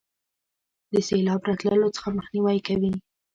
د سیلاب راتللو څخه مخنیوي کوي.